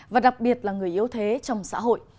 và đặc biệt là người yếu thế trong xã hội